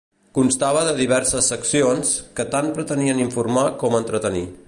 Constava de diverses seccions, que tant pretenien informar com entretenir.